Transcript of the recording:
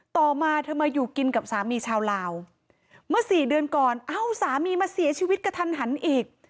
ต่อมาเธอมาอยู่กินกับสามีชาวลาวเมื่อสี่เดือนก่อนเอ้าสามีมาเสียชีวิตกระทันหันอีก